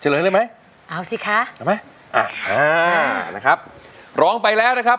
เจริญได้มั้ยเอาสิค่ะเอาไหมอ่านะครับร้องไปแล้วนะครับ